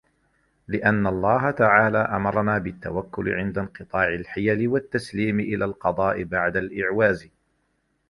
لِأَنَّ اللَّهَ تَعَالَى أَمَرَنَا بِالتَّوَكُّلِ عِنْدَ انْقِطَاعِ الْحِيَلِ وَالتَّسْلِيمِ إلَى الْقَضَاءِ بَعْدَ الْإِعْوَازِ